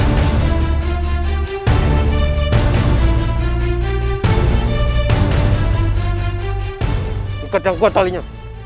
buka jauh kuat talinya